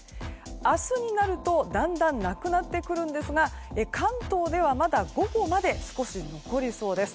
明日になるとだんだんなくなってくるんですが関東では、まだ午後まで少し残りそうです。